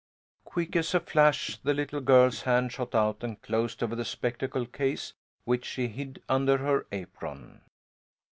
Quick as a flash the little girl's hand shot out and closed over the spectacle case, which she hid under her apron.